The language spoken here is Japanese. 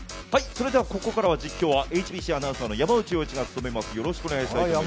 ここから実況はＨＢＣアナウンサーの山内が務めます。